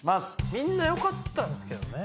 みんなよかったですけどね。